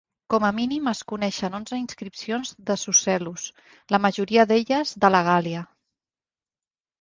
Com a mínim es coneixen onze inscripcions de Sucellus, la majoria d'elles, de la Gàl·lia.